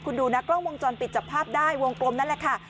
คุณดูนะกล้องวงจรปิดจับภาพได้วงกลมนั่นแหละค่ะ